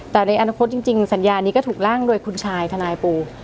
แต่ในอนาคตจริงสัญญานี้ก็ถูกล่างโดยคุณชายทนายปู